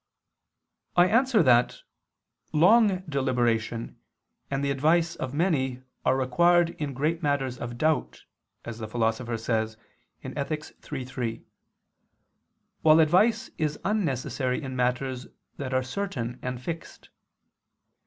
I answer that, Long deliberation and the advice of many are required in great matters of doubt, as the Philosopher says (Ethic. iii, 3); while advice is unnecessary in matters that are certain and fixed.